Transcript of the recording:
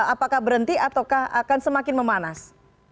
apakah berhenti ataukah akan semakin memanas